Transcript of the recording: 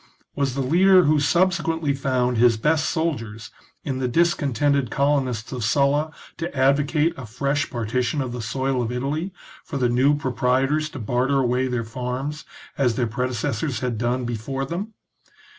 Was the leader who subse quently found his best soldiers in the discontented colonists of Sulla to advocate a fresh partition of the soil of Italy, for the new proprietors to barter away their farms as their predecessors had done before them